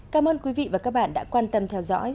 cảm ơn quý vị và các bạn đã quan tâm theo dõi